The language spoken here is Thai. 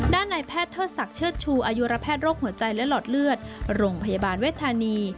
ในแพทย์เทิดศักดิ์เชิดชูอายุรแพทย์โรคหัวใจและหลอดเลือดโรงพยาบาลเวทธานี